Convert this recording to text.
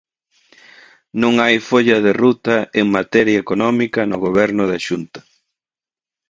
Non hai folla de ruta en materia económica no Goberno da Xunta.